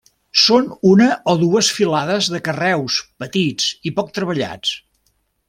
Són una o dues filades de carreus petits i poc treballats.